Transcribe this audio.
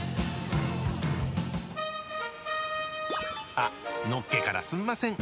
あっ、のっけからすんません。